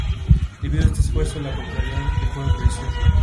Debido a este esfuerzo, la popularidad del juego creció.